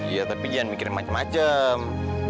ya tapi jangan mikirin macem macem